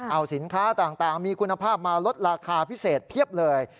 เอาสินค้าต่างมีคุณภาพมาลดราคาพิเศษเพียบเลย